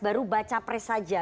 baru baca pres saja